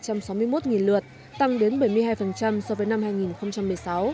trong đó khách quốc tế đạt hơn ba trăm sáu mươi một triệu lượt tăng đến bảy mươi hai so với năm hai nghìn một mươi sáu